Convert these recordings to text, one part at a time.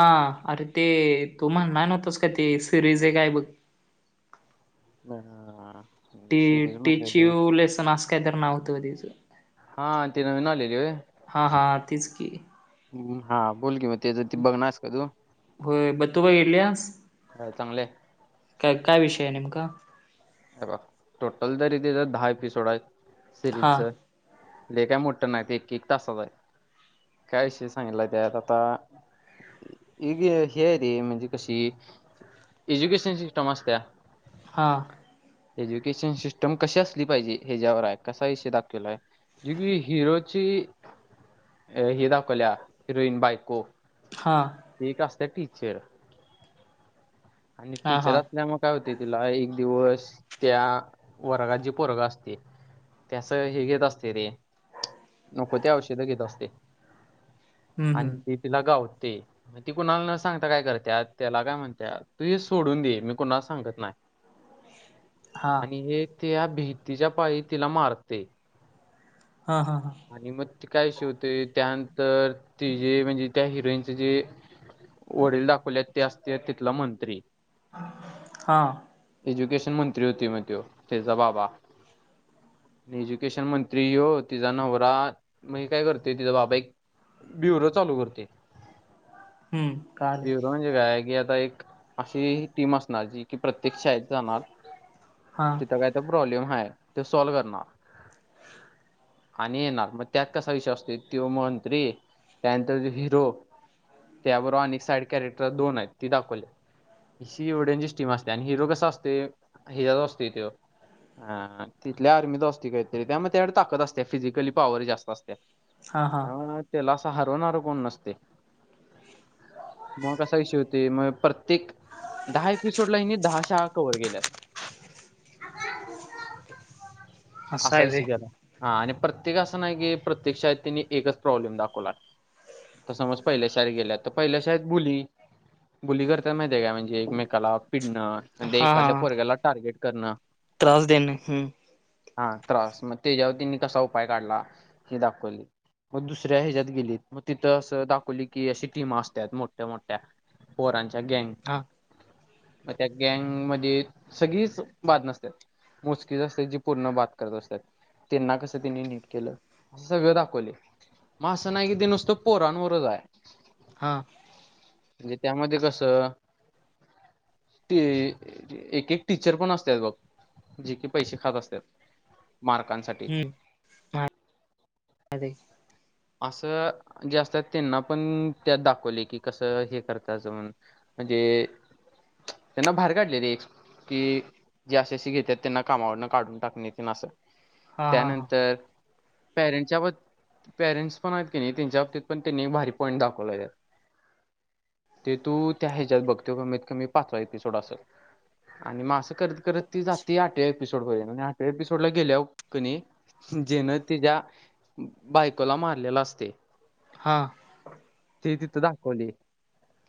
हा अरे ते तू म्हणणार नव्हतस का ते सिरीज आहे काय बघ [unintelligible] टी सिरीज टीच म्हणलेलो यू लेसन अस कायतर नाव होतं तिचं. हां ती नवीन आलेली वय. हा हां तीच की. हम्म हा बोल कीमत तेजा ती बघणास का तू होय ब तू बघितल्यास? हाय चांगलंय काय काय विषय आहे नेमका? हे बघ टोटल तर इथे तर दहा एपिसोड आहे हां सिरीजचा लय काय मोठं नाही ते एक-एक तासाचा आहे. काय विषय सांगितला त्यात आता? एक हे आहे रे म्हणजे कशी एज्युकेशन सिस्टम असत्या हा. एज्युकेशन सिस्टम कशी असली पाहिजे ह्याज्यावर आहे कशा विषय दाखवला आहे जिगवी हिरोची अ हे दाखवल्या हिरोईन बायको. हां. एक असतं टीचर आणि हां टीचर हां. असल्या मग काय होते तुला एक दिवस. त्या वर्गात जी पोरगं असते त्यास हे घेत असते रे नको ते औषध घेत असते हं आणि हं ती तिला गावते. मग ती कुणाला न सांगता काय करते त्याला काय म्हणत्या तू हे सोडून दे मी कुणाला सांगत नाही. हां आणि हे त्या भीतीच्या पायी तिला मारते. हा हा हा. आणि मग ते काय शिवते त्यानंतर तिजे म्हणजे त्या हिरोईन ते जे वडील दाखवले ते असते तिथला मंत्री हा. एज्युकेशन मंत्री होते म त्यो त्याचा बाबा. एज्युकेशन मंत्री यो होती तिचा नवरा म्हणजे काय करते तिचा बाबा एक ब्युरो चालू करते. हम्म कळालं म्हणजे काय की आता एक अशी टीम असणार जी की प्रत्येक शाळेत जाणार हा तिथं काय तर प्रॉब्लेम आहे ते सॉल्व करणार आणि येणार मग त्यात कसा विषय असतो त्यो मंत्री त्यानंतर तो हिरो त्या बरोबर आणि साईड कॅरेक्टर दोन आहेत ती दाखवली ही एवढ्यांची टीम असते आणि हिरो कस असते हिरो असते त्यो हा तिथल्या आर्मीला असतो काहीतरी त्यामुळ त्याकड ताकद असते फिजिकली पॉवर जास्त असत्या हां हां त्याला असं हरवणार कोण नसते मग कसा विषय होते मग प्रत तेक दहा एपिसोडला ह्यांनी दहा शाळा कवर केल्यात असं असा आहे व्हय विषयकेला हा आणि प्रत्येक असं नाही की प्रत्येक शाळेत त्यांनी एकच प्रॉब्लेम दाखवलाय तर समज पहिल्या शाळेत गेल्या तर पहिल्या शाळेत बुली बुली करत्यात माहीते का म्हणजे एकमेकाला पिडणं म्हनजे हां एखाद्या हां पोरग्याला टार्गेट करणं त्रास देने हम्म हा त्रास म त्याच्यावर त्यांनी कसा उपाय काढला हे दाखवल मग दुसऱ्या हेज्यायात गेलीत मग तिथं असं दाखवली की अशी टीमा असतात मोठ्या, मोठ्या पोरांच्या गँंग हा मग त्या गँंगमधीत सगळीच बाद नसत्यात मोजकीच असत्यात जी पूर्ण बाद करत असत्यात त्यांना कसं त्यांनी नीट केलं सगळं दाखवल मा आस नाहीकि ते नुसत पोरान वरचं आहे हा म्हणजे त्या मुळ ते कसं ते एक, एक टीचर पण असतात बघ जे की पैसे खात असत्यात मार्कांनसाठी हम्म असं जे असतात त्यांना पण त्यात दाखवले की कसं हे करतात जाऊन म्हणजे त्यांना बाहेर काढले रे की जेे आसी, आसी‌ घेतात त्यांना कामावरून काढून टाकणे तेन असं हां हां हां. त्यानंतर पॅरेंटच्या ब पेरेंट्स पण आहेत की नाही त्यांच्या बाबतीत पण त्यांनी भारी पॉईंट दाखवला त्यात ते तू त्या ह्याच्यात बघ तो कमीत कमी पाचवा एपिसोड असलं आणि मग असं करत करत ती जाती आटव्या आठव्या एपिसोडला गेल्यावर कणी जेन तिच्या बाय कोला मारल्याल असते हा ते तिथं दाखवली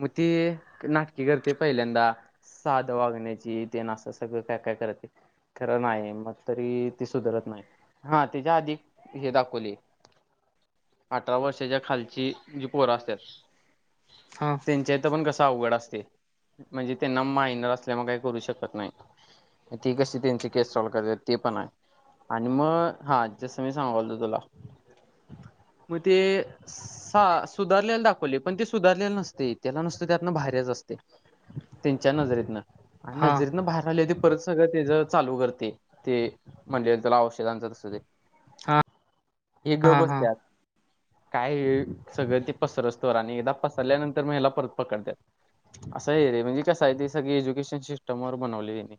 म ती नाटकी करते पहिल्यांदा साध वागण्याची ते ना असं सगळं काय काय करते खरं नाही मग तरी ती सुधरत नाही हा त्याच्या आधी ती हे दाखवली अठरा वर्षाच्या खालची जी पोर असत्यात हा त्यांच्या इथं पण कस अवघड असते म्हणजे त्यांना मायनर असल्यामुळे काही करू शकत नाही ती कशी त्यांची केस सॉल्व करत्यात ते पण आहे आणि म हा जसं मी सांगायलतो तुला म ते सा सुधारलेला दाखवले पण ते सुधरल्याल नसते त्याला नुसत त्यातन बाहेरच असतय त्यांच्या नजरेतनं आणि हां नजरेतन बाहेर आले ती परत सगळं ते ज चालू करते ते म्हणजे त्याला औषधआण जा तस ते हां हां एक ग बस [inaudible] काय सगळं ते पसरोस्तवर आणि एकदा पसरल्यानंतर महिला परत पकडतात. असं हाय रे म्हणजे कस आहे ते सगळी एज्युकेशन सिस्टमवर बनवली त्यांनी.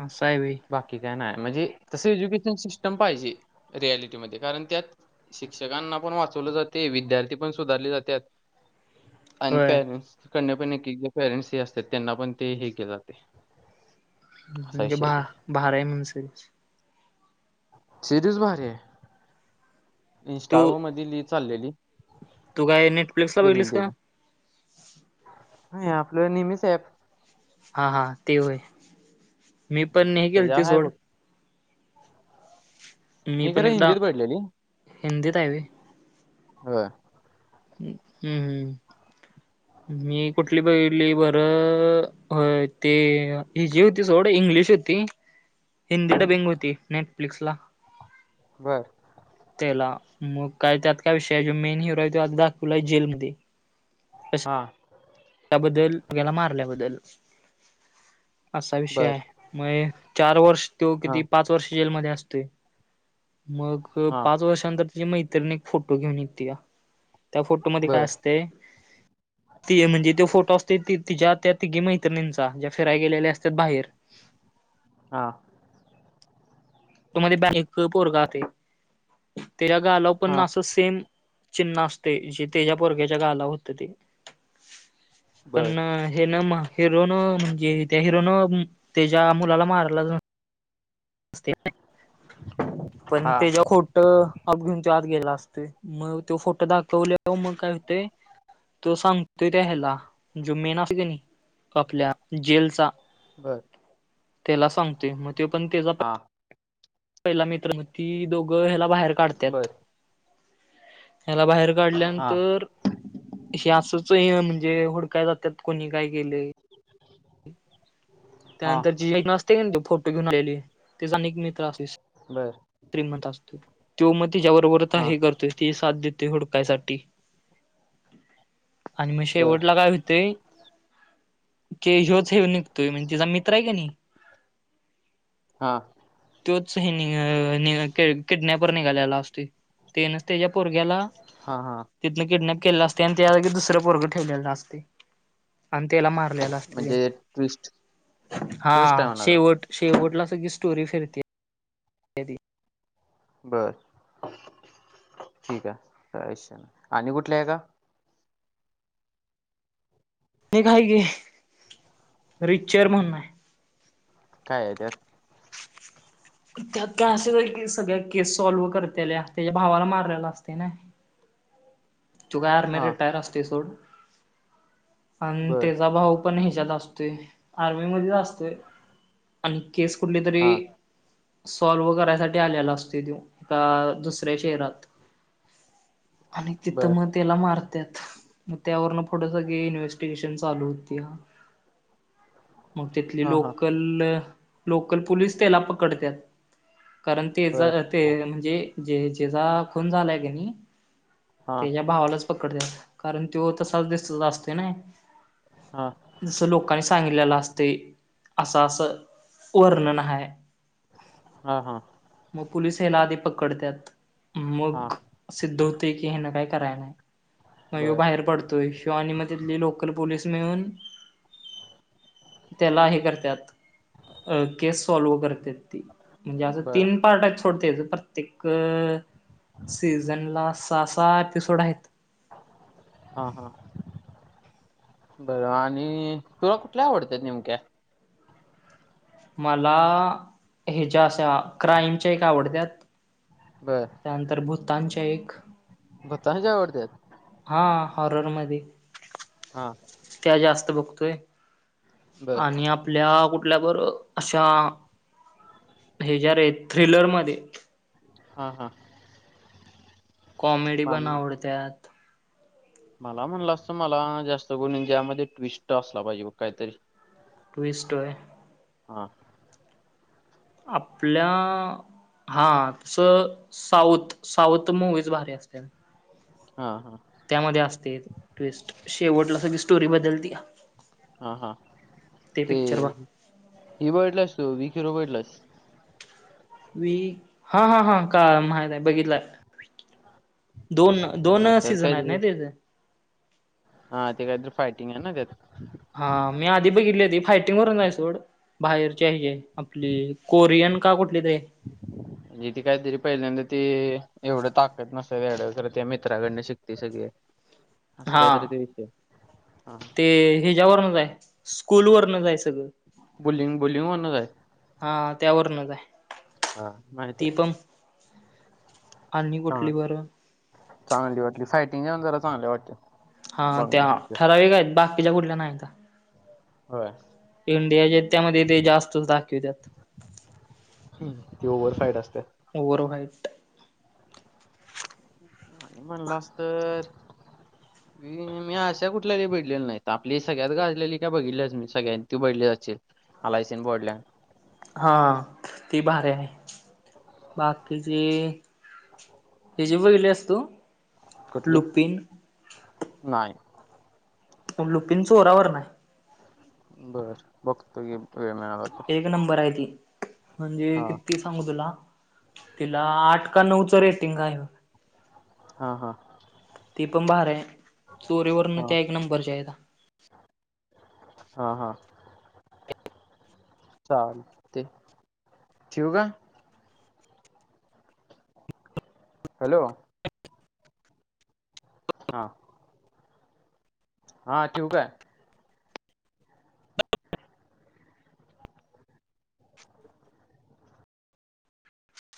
असं हाय व्हय. बाकी काय नाही म्हणजे तसं एज्युकेशन सिस्टम पाहिजे रियालिटीमध्ये. कारण त्यात शिक्षकांना पण वाचवलं जाते, विद्यार्थी पण सुधारले जात्यात. आणि [unintelligible] होय पेरेंट्स हे असत्यात त्यांना पण हे केलं जातंय. म्हणजे भा-भारी हाय म्हण [unintelligible] सिरीज भारी आहे. तू इंस्टावर मधी लई चाललेली. तू काय नेटफ्लिक्सला रील बघितलस का? त्याच्या नाही आपलं नेहमीच ॲप. हा हा ते होय. मी पण नाही केलते त्याच्यावर आहे सोड. बघ मी पण खरं एकदा हिंदीत बघितलेली हिंदीत आहे व्हय होय. हम्म, हम्म. मी कुठली बघितली बरं होय ते हिजी होती सोडं इंग्लिश होत ती हिंदी डबिंग होती नेटफ्लिक्सला. बरं. त्याला मग काय त्यात काय विषय हाय जो मेन हिरो आहे तो आधी दाखवलाय जेलमध्ये. हा. त्याबद्दल याला मारल्याबद्दल असा विषय बर आहे. मग हे चार वर्ष तो हा किती पाच वर्ष जेलमध्ये असतोय. मग हा पाच वर्षांनंतर तीची मैत्रीण एक फोटो घेऊन येत्या. त्या फोटोमध्ये काय बर असतंय ती म्हणजे त्यो फोटो असतोय ती तिज्या त्या तिघी मैत्रिणींचा ज्या फिराय गेलेल्या असत्यात बाहेर. हा. तो मध्ये [unintelligible] त्याला गालावर पण हा असंच सेम चिन्ह असतंय जे तेज्या पोरग्याच्या गालावर होत ते. पण बर हेन हिरोनं म्हणजे त्या हिरोनं त्याच्या मुलाला मारायला [unintelligible] पण हा तेज्या खोट अप घेऊन त्यो आत गेलेला असतोय, मग तो फोटो दाखवल्यावर मग काय होतंय तो सांगतोय त्या ह्याला, जो मेन असतोय की नई आपल्या जेलचा बर. त्याला सांगतोय, मग ते पण तेजा हा. पहिला मित्र मग ती दोघं ह्याला बाहेर काढत्यात. बर ह्याला बाहेर हा घडल्यानंतर हे असंच हे म्हणजे हुडकाय जात्यात कोणी काय केलंय हा त्यानंतर [unintelligible] असते कनई फोटो घेऊन आलेली तिचा अनेक मित्र असतोय. बर श्रीमंत असतोय त्यो मग तिच्याबरोबर आता हा हे करतो तोच तीझी साथ देतोय हुडकायसाठी. आणि मग बर शेवटला काय हुतय की ह्योच हे निघतोय म्हणजे तिचा मित्र आहे कनई हा. तोच हे अ निळ किडनॅपर निघालेला असतोय. तेनच तेज्या पोरग्याला हा हा तिथनं किडनॅप केलेलं असतंय आणि त्या जागी दुसरं पोरग ठेवलेलं असतंय आणि त्याला मारलेला म्हणजे ट्विस्ट [unintelligible] ट्विस्ट आहे हा म्हणाला शेवट-शेवटला सगळी स्टोरी फिरते. कधी बर ठीक आहे काय विषय नाही आणि कुठली हाय का? एक आहे की रिचर म्हणून हाय. काय आहे त्यात? त्यात काय असेच की सगळ्या केस सॉल्व करतेल्या, त्याच्या भावाला मारलेला असतंय ना. त्यो काय आर्मी हा रिटायर्ड असतोय सोड. आणि बर त्याचा भाऊ पण ह्याच्यात असतोय, आर्मीमध्येच असतोय. आणि केस कुठली तरी हा सॉल्व करायसाठी आलेला असतो‌य त्यो एका दुसऱ्या शहरात. आणि बर तिथं मत तेला मारत्यात मग त्यावरन पुढं सगळी इन्व्हेस्टिगेशन चालू होत्या. मग तिथली हा हा लोकल, लोकल पुलीस त्याला पकडतात. कारण बर तेचा ते म्हणजे जे जेचा खून झालाय की नाही हा तेज्या भावालाच पकडत्यात, कारण त्यो तसाच दिसत असतोय नाही. हा. जसं लोकांनी सांगितलेलं असतंय, असं असं वर्णन हाय. हा, हा. मग पोलीस हेला आधी पकडत्याण, हा मग सिद्ध होतय की हेन काय कराय नाही, मग ह्यो बर बाहेर पडतोय. त्यो आणि मग तिथली लोकल पोलीस मिळून त्याला हे करत्यात, अ केस सॉल्व्ह करतेत. ती म्हणजे असं बर तीन पार्ट आहेत सोड तेज. एक सीझनला सहा सहा एपिसोड आहेत. हा, हा. बर आणि तुला कुठल्या आवडत्यात नेमक्या? मला हेच्या अशा क्राईमच्या एक आवडत्यात. बरं. त्यानंतर भूतांच्या एक भुताच्या आवडत्यात? हा हॉररमध्ये. हा त्या जास्त बघतोय बर आणि आप आपल्या कुठल्या बर अशा हेज्या रे थ्रिलरमध्ये. हा, हा. कॉमेडी पण मला आवडत्यात. मला म्हणलं अस मला जास्त कोणी ज्यामध्ये ट्विस्ट असला पाहिजे बघ काहीतरी. ट्वीस्ट होय. हा. आपल्या हा तसं साऊथ, साऊथ मुवीज भारी असत्यात. हा, हा. त्यामध्ये असते ट्विस्ट शेवटला सगळी स्टोरी बदलतीया. हा हा. ते पिक्चर बघ. हि बघितलायस तू विक हिरो बघितलायस? वी हा, हा, हा. कळाला माहित आहे बघितलाय. हा दोन-दोन त्यात सीझन आहेत काहीतरी ना तेज. हा ते कायतरी फायटिंग आहे ना त्यात. हा मी आधी बघितली होती फायटिंग वरून आहे सोड. बाहेरचे हजे आपली कोरियन का कुठली तरी हाय. म्हणजे ती काहीतरी पहिल्यांदा ती एवढं ताकत नसत्या तेज्याकडं खरं त्या मित्राकडन शिकतय सगळं. [inaudible] अस कायतरी ते विषय हा ते हेच्यावरनच हाय स्कूलवरनच हाय सगळं. बोलिंग बोलिंग म्हणुनच हाय. हा हा त्यावरूनच आहे हा माहिती ती आहे. पण आणि चांग कुठली बर? चांगली वाटली सायटिंग आणि, जरा चांगली वाटते. हा त्या माहिती ठराविक आहेत, बाकीच्या कुठल्या नाहीता. होय. इंडियाच्या त्यामध्ये ते जास्तच दाकीवत्यात. हम्म, ती ओव्हरसाईट असते. वर व्हाईचं. आणि म्हणलास तर, [inaudible] मी अशा कुठल्याही बगिल्या नाहीत. आपली सगळ्यात गाजली काय बघितलीच, मी सगळ्यांत तु बगितल्या असशील. आलायसन बोर्डला. हा ती भारी आहे. बाकीचे, [unintelligible] बघितलेस तु. कुठली नाही. पण लुकीन चोरांवरन. बर बघतो घे, वेळ मिळाला तर एक नंबर आहे ती, म्हणजे हा किती सांगू तुला, तिला आठ का नऊच रेटिंग आहे बग. हा हा. ते पण भारी आहे चोरीवरन हा त्या एक नंबरच्या आहे. हा हा. चालतय ठेवू काय. हॅलो. हा. हा ठेवू काय.